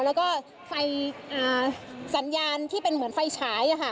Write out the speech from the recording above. แล้วก็ไฟสัญญาณที่เป็นเหมือนไฟฉาย